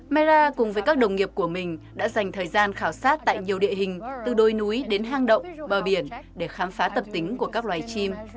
myra cùng với các đồng nghiệp của mình đã dành thời gian khảo sát tại nhiều địa hình từ đôi núi đến hang động bờ biển để khám phá tập tính của các loài chim